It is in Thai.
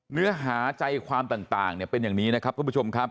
เนื้อหาใจความต่างเป็นอย่างนี้นะครับทุกผู้ชมครับ